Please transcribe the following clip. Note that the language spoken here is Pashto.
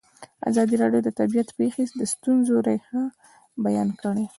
ازادي راډیو د طبیعي پېښې د ستونزو رېښه بیان کړې.